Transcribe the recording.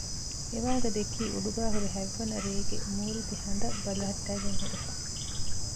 އެވާހަކަ ދެއްކީ އުޑުގައި ހުރި ހަތްވަނަ ރޭގެ މޫރިތި ހަނދަށް ބަލަހައްޓައިގެން ހުރެފަ